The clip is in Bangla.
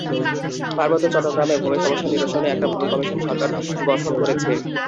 পার্বত্য চট্টগ্রামে ভূমি সমস্যা নিরসনে একটা ভূমি কমিশন সরকার গঠন করেছে।